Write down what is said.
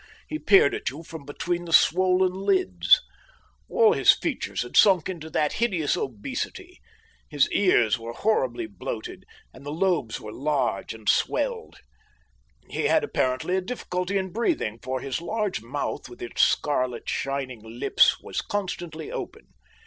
He peered at you from between the swollen lids. All his features had sunk into that hideous obesity. His ears were horribly bloated, and the lobes were large and swelled. He had apparently a difficulty in breathing, for his large mouth, with its scarlet, shining lips, was constantly open.